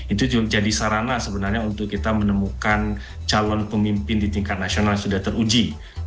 itu juga jadi sarana sebenarnya untuk kita menemukan calon pemimpin di tingkat nasional sudah teruji